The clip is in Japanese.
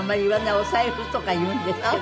「お財布」とか言うんですけど。